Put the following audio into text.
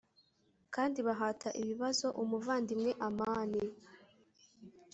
kandi bahata ibibazo umuvandimwe amani